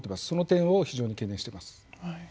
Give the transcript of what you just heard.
その点を非常に懸念しています。